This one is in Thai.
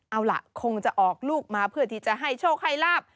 เอาล่ะคงจะออกลูกมาเพื่อที่จะให้โชคให้ลาบ